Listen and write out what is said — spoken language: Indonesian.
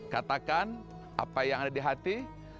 katakan apa yang ada di hati